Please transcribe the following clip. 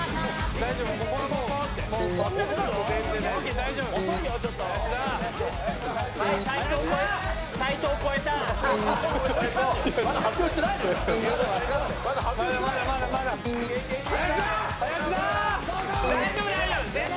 大丈夫大丈夫絶対！